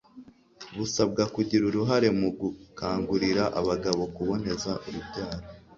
busabwa kugira uruhare mu gukangurira abagabo kuboneza urubyaro